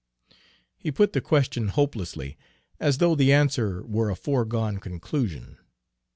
He put the question hopelessly, as though the answer were a foregone conclusion.